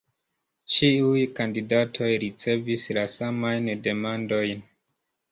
Ĉiuj kandidatoj ricevis la samajn demandojn.